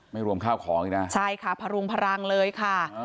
รวมข้าวของอีกนะใช่ค่ะพรุงพลังเลยค่ะ